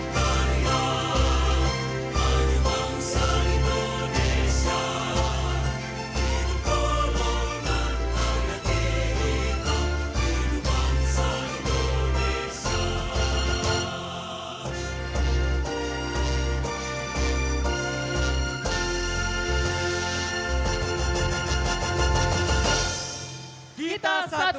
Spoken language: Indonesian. kita satu untuk indonesia